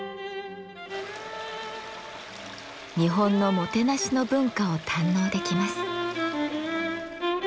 日本のもてなしの文化を堪能できます。